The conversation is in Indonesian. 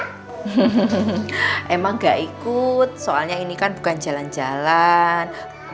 hmm emang gak ikut soalnya ini kan bukan jalan jalan